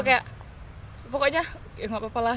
kayak pokoknya ya nggak apa apa lah